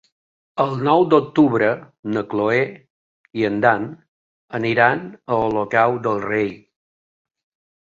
El nou d'octubre na Cloè i en Dan aniran a Olocau del Rei.